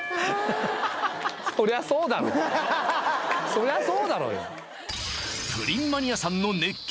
そりゃそうだろうよ・